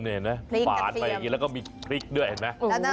ฟาดไปอย่างนี้แล้วก็มีพริกด้วยเห็นมั้ย